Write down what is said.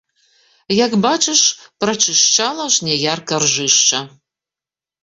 Як бачыш прачышчала жняярка ржышча!